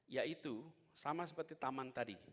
yaitu sama seperti taman tadi